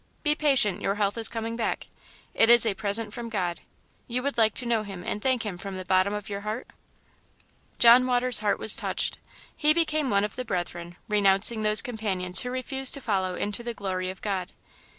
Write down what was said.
Be patient, your health is coming back; it is a present from God; you would like to know Him and thank Him from the bottom of your heart?" John Waters' heart was touched. He became one of the Brethren, renouncing those companions who refused to follow into the glory of God.